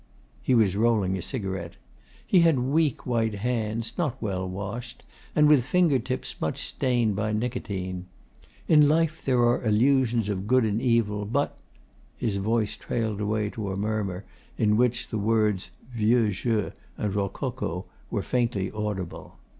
He was rolling a cigarette. He had weak white hands, not well washed, and with finger tips much stained by nicotine. 'In Life there are illusions of good and evil, but' his voice trailed away to a murmur in which the words 'vieux jeu' and 'rococo' were faintly audible.